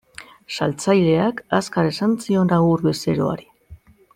Saltzaileak azkar esan zion agur bezeroari.